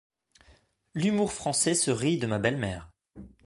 L'humour français se rit de ma belle-mère.